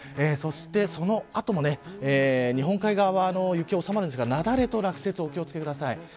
そして、その後も日本海側は雪が収まるんですが雪崩と落雪にお気を付けください。